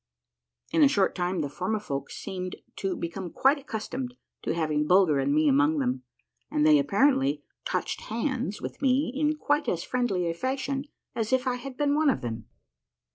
In a short time the Formifolk seemed to become quite accus tomed to having Bulger and me among them, and they appar ently " touched hands " with me in quite as friendly a fashion as if I had been one of them.